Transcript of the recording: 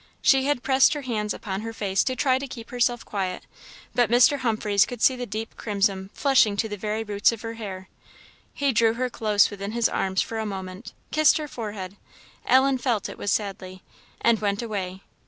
She had pressed her hands upon her face to try to keep herself quiet; but Mr. Humphreys could see the deep crimson flushing to the very roots of her hair. He drew her close within his arms for a moment, kissed her forehead, Ellen felt it was sadly, and went away.